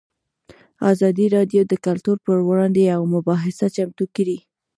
ازادي راډیو د کلتور پر وړاندې یوه مباحثه چمتو کړې.